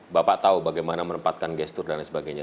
bapak tahu bagaimana menempatkan gestur dan lain sebagainya